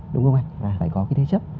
đúng không anh phải có cái thế chấp